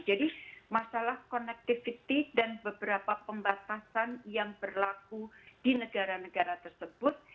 jadi masalah connectivity dan beberapa pembatasan yang berlaku di negara negara tersebut